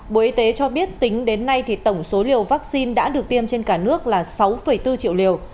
bộ y tế cho biết tính đến nay tổng số liều vaccine đã được tiêm trên cả nước là sáu bốn triệu liều